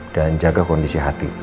dan jaga kondisi hati